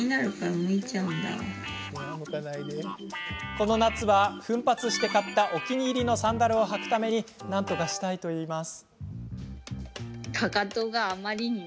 この夏は奮発して買ったお気に入りのサンダルを履くためになんとかしたいといいます。